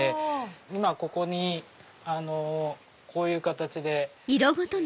今ここにこういう形で。